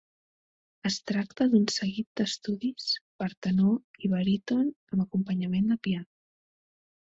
Es tracta d'un seguit d'estudis per tenor i baríton amb acompanyament de piano.